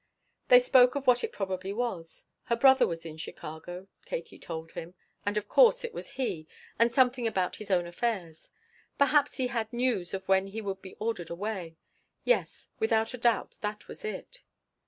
They spoke of what it probably was; her brother was in Chicago, Katie told him, and of course it was he, and something about his own affairs. Perhaps he had news of when he would be ordered away. Yes, without doubt that was it.